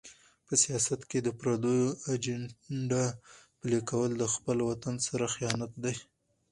په سیاست کې د پردیو ایجنډا پلي کول د خپل وطن سره خیانت دی.